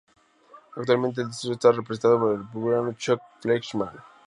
Actualmente el distrito está representado por el Republicano Chuck Fleischmann.